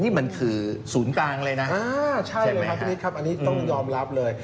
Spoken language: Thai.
นี่มันคือศูนย์กลางเลยน่ะอ่าใช่เลยครับอันนี้ต้องยอมรับเลย